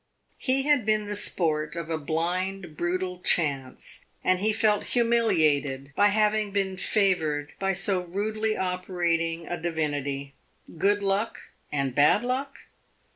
He had been the sport of a blind, brutal chance, and he felt humiliated by having been favored by so rudely operating a divinity. Good luck and bad luck?